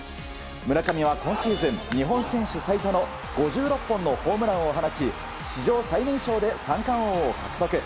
村上は今シーズン日本選手最多の５６本のホームランを放ち史上最年少で三冠王を獲得。